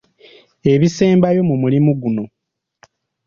Ebisembayo mu mulimu guno.